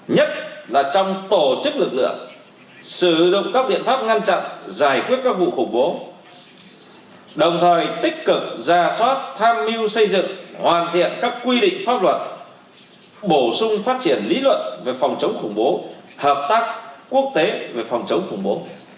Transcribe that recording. nhất là trong tổ chức lực lượng sử dụng các biện pháp ngăn chặn giải quyết các vụ khủng bố đồng thời tích cực ra soát tham mưu xây dựng hoàn thiện các quy định pháp luật bổ sung phát triển lý luận về phòng chống khủng bố hợp tác quốc tế về phòng chống khủng bố